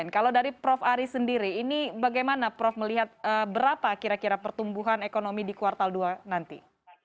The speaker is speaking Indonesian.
kalau dari prof ari sendiri ini bagaimana prof melihat berapa kira kira pertumbuhan ekonomi di kuartal dua nanti